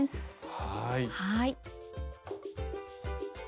はい。